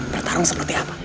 bertarung seperti apa